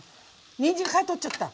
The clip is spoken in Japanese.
にんじん皮取っちゃった？